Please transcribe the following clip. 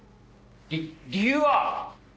り理由は？